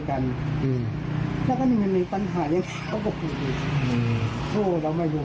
ท่านบอกว่าแม่ของตามาเกิดอะไรขึ้น